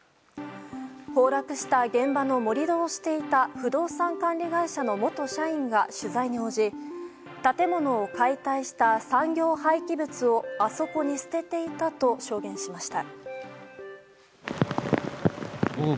崩落した現場の盛り土をしていた不動産管理会社の元社員が取材に応じ建物を解体した産業廃棄物をあそこに捨てていたと証言しました。